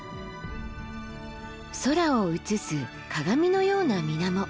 空を映す鏡のような水面。